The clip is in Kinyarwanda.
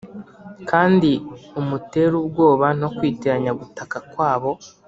kandi umutere ubwoba no kwitiranya gutaka kwabo.